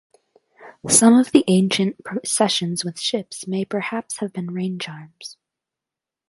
Some of the ancient processions with ships may perhaps have been rain charms.